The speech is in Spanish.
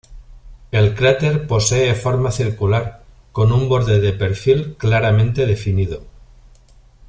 El cráter posee forma circular, con un borde de perfil claramente definido.